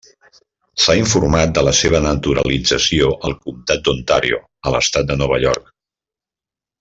S'ha informat de la seva naturalització al Comtat d'Ontario a l'Estat de Nova York.